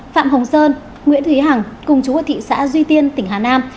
phạm hồng sơn nguyễn thúy hằng cùng chú ở thị xã duy tiên tỉnh hà nam